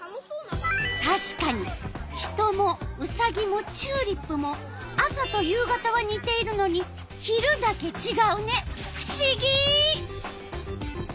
たしかに人もウサギもチューリップも朝と夕方はにているのに昼だけちがうね。